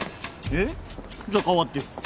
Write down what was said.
えっ？じゃあ代わってよ。